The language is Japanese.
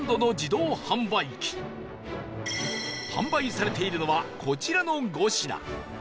販売されているのはこちらの５品